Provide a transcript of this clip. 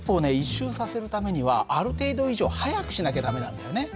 １周させるためにはある程度以上速くしなきゃ駄目なんだよね。